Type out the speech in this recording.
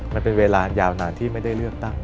มันเป็นเวลายาวนานที่ไม่ได้เลือกตั้ง